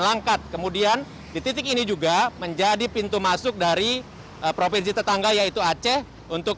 langkat kemudian di titik ini juga menjadi pintu masuk dari provinsi tetangga yaitu aceh untuk